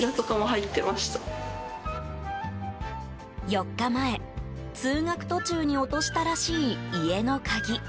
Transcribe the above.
４日前、通学途中に落としたらしい家の鍵。